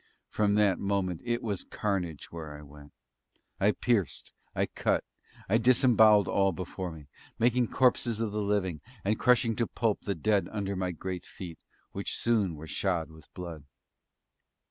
From that moment it was carnage where I went. I pierced. I cut. I disembowelled all before me making corpses of the living, and crushing to pulp the dead under my great feet, which soon were shod with blood.